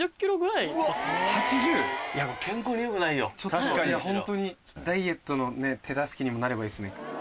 ・いやホントにダイエットの手助けにもなればいいですね。